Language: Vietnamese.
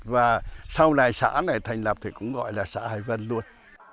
và sau này xã này thành lập thì cũng gọi là xã hải vân luôn